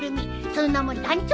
その名も団長。